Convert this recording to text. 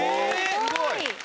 すごい！